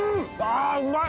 あぁうまい！